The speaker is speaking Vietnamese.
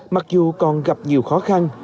mặc dù còn gặp nhiều khó khăn